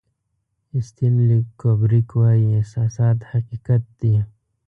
استنلي کوبریک وایي احساسات حقیقت دی.